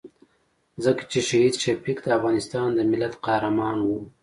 ځکه چې شهید شفیق د افغانستان د ملت قهرمان وو.